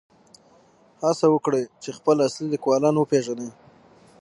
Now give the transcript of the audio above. هڅه وکړئ چې خپل اصلي لیکوالان وپېژنئ.